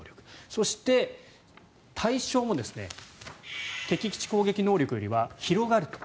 そして、対象も敵基地攻撃能力よりは広がると。